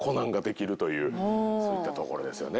そういったところですよね。